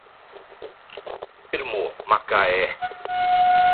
Termomacaé